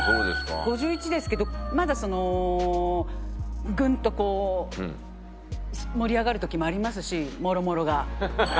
５１ですけどまだそのグンとこう盛り上がる時もありますしもろもろが。